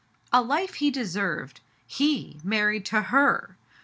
" A life he deserved ! He — married to Aer.